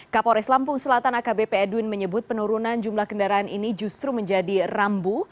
kapolres lampung selatan akbp edwin menyebut penurunan jumlah kendaraan ini justru menjadi rambu